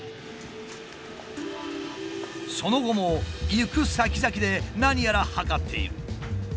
その後も行くさきざきで何やら測っている。